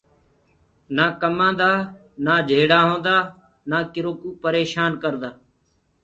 نآ ڪمآندآ نآ جھيڙآ هوندآ نآ ڪروڪوُ پريشآن ڪردآ